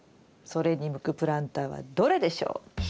それに向くプランターはどれでしょう？